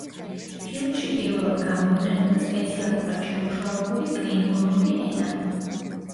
ფილმში პირველად გამოიყენება სპეციალურად შემუშავებული კლინგონური ენა.